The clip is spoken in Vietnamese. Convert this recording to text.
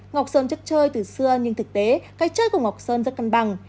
ngọc sơn chất chơi từ xưa nhưng thực tế cách chơi của ngọc sơn rất cân bằng